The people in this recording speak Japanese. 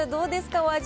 お味。